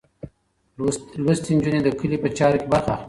لوستې نجونې د کلي په چارو کې برخه اخلي.